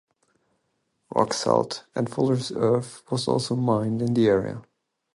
Rock salt and fuller's earth was also mined in the area.